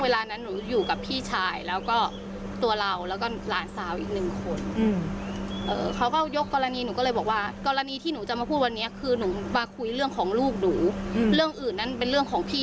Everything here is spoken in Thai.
ลูกหนูเรื่องอื่นนั้นเป็นเรื่องของพี่